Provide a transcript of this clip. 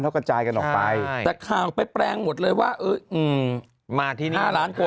เขาก็จ่ายกันออกไปใช่แต่ข่าวไปแปลงหมดเลยว่าอืออือมาที่นี่ห้าล้านคน